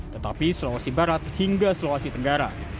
tetapi sulawesi barat hingga sulawesi tenggara